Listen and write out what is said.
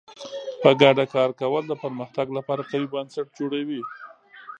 په ګډه کار کول د پرمختګ لپاره قوي بنسټ جوړوي.